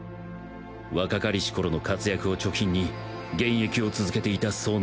若かりし頃の活躍を貯金に現役を続けていた壮年